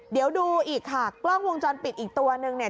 เดี๋ยวดูอีกค่ะกล้องวงจรปิดอีกตัวนึงเนี่ย